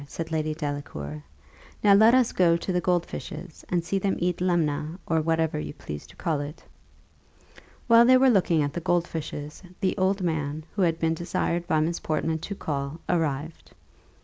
said Lady Delacour. "Now let us go to the gold fishes, and see them eat lemna, or whatever you please to call it." While they were looking at the gold fishes, the old man, who had been desired by Miss Portman to call, arrived.